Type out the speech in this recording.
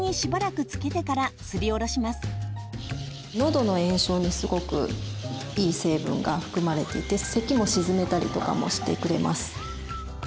どの炎症にすごくいい成分が含まれていてせきも鎮めたりとかもしてくれます。